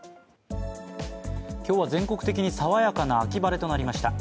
今日は全国的に爽やかな秋晴れとなりました